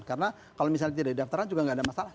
karena kalau misalnya tidak didaftarkan juga tidak ada masalah